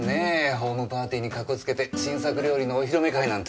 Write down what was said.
ホームパーティーにかこつけて新作料理のお披露目会なんて。